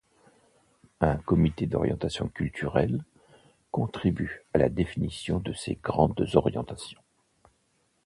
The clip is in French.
Un comité d’orientation culturelle contribue à la définition de ses grandes orientations.